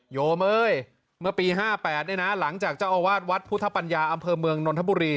โยเม้ยเมื่อปี๕๘เนี่ยนะหลังจากเจ้าอาวาสวัดพุทธปัญญาอำเภอเมืองนนทบุรี